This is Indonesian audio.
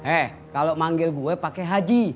eh kalau manggil gue pakai haji